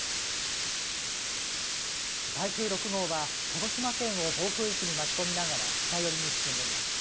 台風６号は鹿児島県を暴風域に巻き込みながら北寄りに進んでいます。